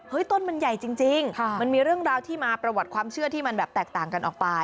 ต้นมันใหญ่จริงมันมีเรื่องราวที่มาประวัติความเชื่อที่มันแบบแตกต่างกันออกไป